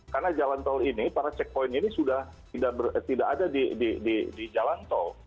karena jalan tol ini para checkpoint ini sudah tidak ada di jalan tol